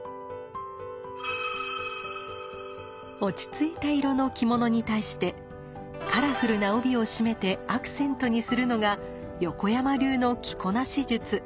落ち着いた色の着物に対してカラフルな帯を締めてアクセントにするのが横山流の着こなし術。